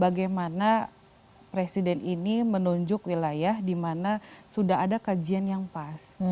bagaimana presiden ini menunjuk wilayah di mana sudah ada kajian yang pas